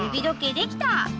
できたね！